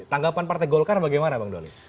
tanggapan partai golkar bagaimana bang doli